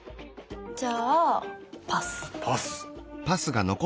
じゃあパス